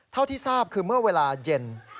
เท่าที่ทราบคือเมื่อเวลาเย็น